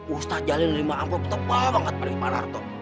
ustadz jalil nerima ampul tebal banget pada pak narto